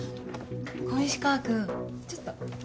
小石川君ちょっと。